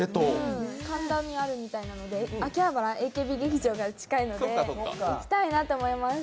神田にあるみたいなので、秋葉原はＡＫＢ劇場から近いので、行きたいなと思います。